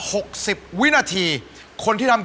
หมวกปีกดีกว่าหมวกปีกดีกว่า